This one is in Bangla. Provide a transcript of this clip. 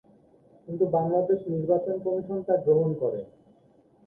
কিন্তু বাংলাদেশ নির্বাচন কমিশন তা গ্রহণ করে নি।